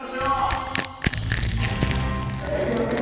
じゃあ行きますよ。